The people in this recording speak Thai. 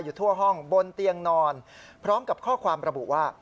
ทั่วห้องบนเตียงนอนพร้อมกับข้อความระบุว่า